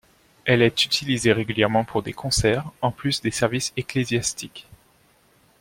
Elle est utilisée régulièrement pour des concerts, en plus des services ecclésiastiques.